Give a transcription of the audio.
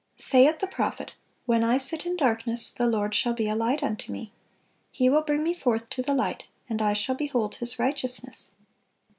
Saith the prophet: "When I sit in darkness, the Lord shall be a light unto me.... He will bring me forth to the light, and I shall behold His righteousness."